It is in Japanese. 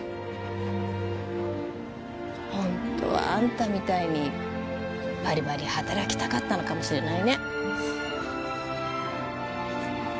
ホントはあんたみたいにバリバリ働きたかったのかもしれないね